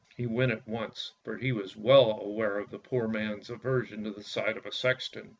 He went at once, for he was well aware of the poor man's aversion to the sight of a sexton.